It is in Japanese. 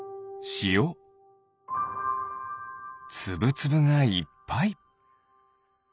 つぶつぶがいっぱい。